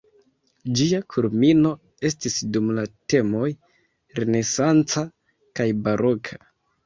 Ĝia kulmino estis dum la temoj renesanca kaj baroka.